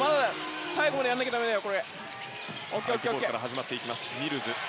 最後までやらなきゃだめだよ。